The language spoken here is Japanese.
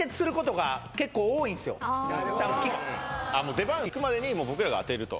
出番いくまでに僕らが当てると。